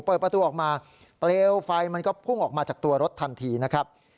เปิดประตูออกมาเปลวไฟมันก็พุ่งออกมาจากตัวรถทันทีนะครับ